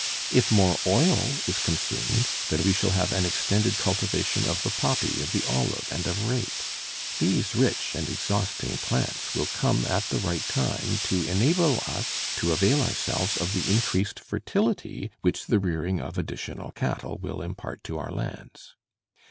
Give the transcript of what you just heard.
If more oil is consumed, then we shall have an extended cultivation of the poppy, of the olive, and of rape. These rich and exhausting plants will come at the right time to enable us to avail ourselves of the increased fertility which the rearing of additional cattle will impart to our lands.